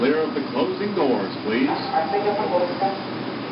আপনি যখন বলছেন।